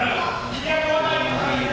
semoga indonesia tidak baik